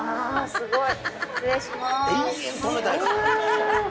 すごーい！